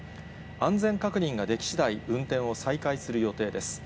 安全確認ができしだい、運転を再開する予定です。